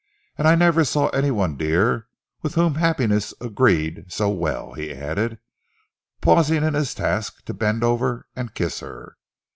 And I never saw any one, dear, with whom happiness agreed so well," he added, pausing in his task to bend over and kiss her.